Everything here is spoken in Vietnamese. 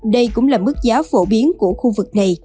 đây cũng là mức giá phổ biến của khu vực này